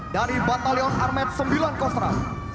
dari batalion armet sembilan kostra